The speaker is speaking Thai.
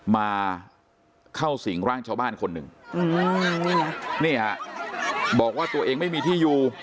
มาเข้าสิ่งร่างชาวบ้านคนหนึ่งนี่ฮะบอกว่าตัวเองไม่มีที่อยู่